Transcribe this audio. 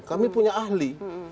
kami punya ahli